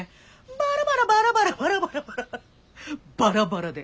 「バラバラバラバラバラ」バラバラで。